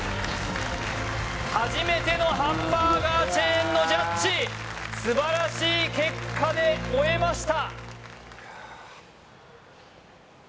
初めてのハンバーガーチェーンのジャッジ素晴らしい結果で終えました